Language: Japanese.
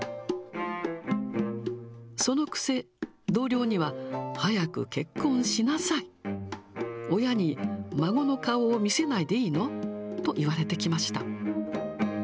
そのくせ、同僚には早く結婚しなさい、親に孫の顔を見せないでいいの？と言われてきました。